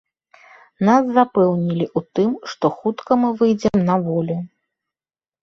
Нас запэўнілі ў тым, што хутка мы выйдзем на волю.